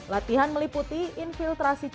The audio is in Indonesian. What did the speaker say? latihan meliputi infiltrasi cepat